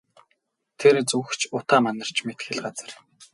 Тэр зүг ч утаа манарч мэдэх л газар.